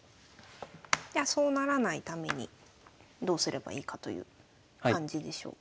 じゃあそうならないためにどうすればいいかという感じでしょうか。